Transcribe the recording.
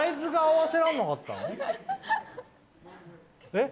えっ！